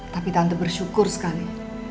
tapi tante bersyukur sekali